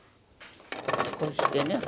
こうしてね。